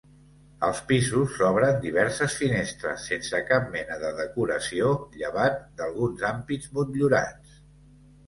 Als pisos s'obren diverses finestres sense cap mena de decoració llevat d'alguns ampits motllurats.